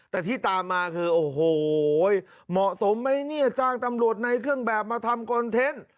แต่ที่ตามมาคือโอ้โหเหมาะสมไหมเนี่ยจ้างตำรวจในเครื่องแบบมาทำคอนเทนต์